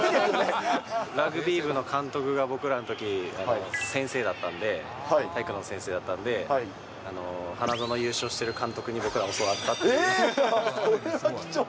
ラグビー部の監督が僕らのとき、先生だったんで、体育の先生だったんで、花園優勝している監督に、えー、それは貴重ですね。